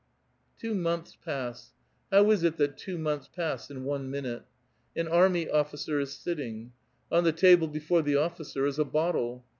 '* Two months pass. How is it that two months pass in one minute? An army officer is sittinyr. On the table before tlie officer is a bottle.